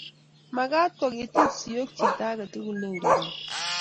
mekat ko kitil sioik chito age tugul ne urereni